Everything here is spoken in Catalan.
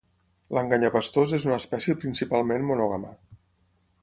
L'enganyapastors és una espècie principalment monògama.